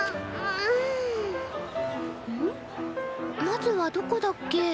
まずはどこだっけ？